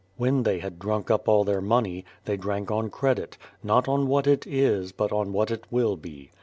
When they had drunk up all their money, they drank on credit, "not on what it is but on what it will be."